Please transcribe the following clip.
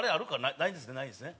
ないんですねないんですね。